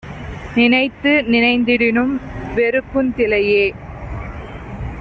நினைந்து நினைந்திடினும் வெறுக்குதிலையே